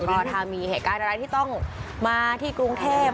ก็ถ้ามีเหตุการณ์อะไรที่ต้องมาที่กรุงเทพ